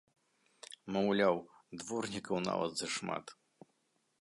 Маўляў, дворнікаў нават зашмат!